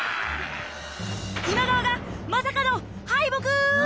今川がまさかの敗北！